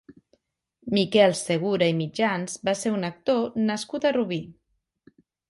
Miquel Segura i Mitjans va ser un actor nascut a Rubí.